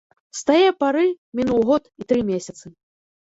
З тае пары мінуў год і тры месяцы.